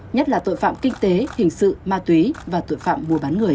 nhất là tội phạm kinh tế hình sự ma túy và tội phạm mua bán người